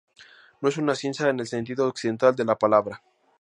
No es una ciencia en el sentido occidental de la palabra.